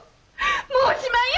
もうおしまいよ！